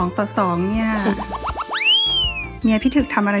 พี่ถึกจ้าชายหญิงอยู่ในห้องด้วยกันซะ